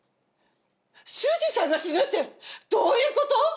秀司さんが死ぬってどういうこと？